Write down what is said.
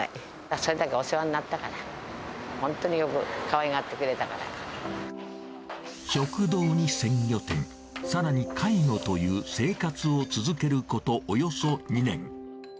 それだけお世話になったから、本当によくかわいがってくれたか食堂に鮮魚店、さらに介護という生活を続けることおよそ２年。